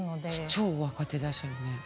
超若手ですよね。